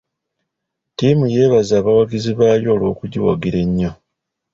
Ttiimu yeebaza abawagizi baayo olw'okugiwagira ennyo.